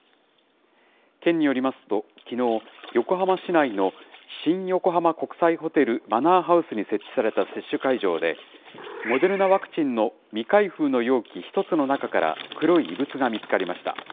県によりますと、きのう、横浜市内の新横浜国際ホテルマナーハウスに設置された接種会場で、モデルナワクチンの未開封の容器１つの中から、黒い異物が見つかりました。